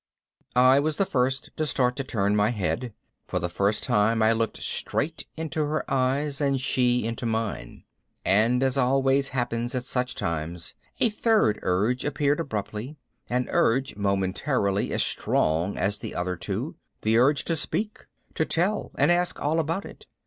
I was the first to start to turn my head. For the first time I looked straight into her eyes and she into mine. And as always happens at such times, a third urge appeared abruptly, an urge momentarily as strong as the other two the urge to speak, to tell and ask all about it.